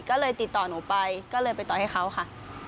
ก็เลยติดต่อหนูไปก็เลยไปต่อยให้เขาค่ะ